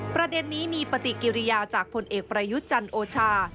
ประเด็นนี้มีปฏิกิริยาจากผลเอกประยุทธ์จันทร์โอชา